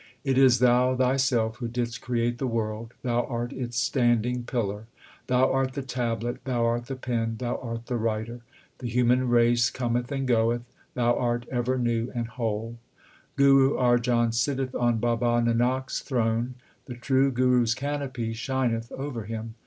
It is thou thyself who didst create the world ; thou art its standing pillar. Thou art the tablet, thou art the pen, thou art the writer. The human race cometh and goeth ; thou art ever new and whole. 62 THE SIKH RELIGION Guru Arjan sitteth on Baba Nanak s throne ; the true Guru s canopy shineth over him.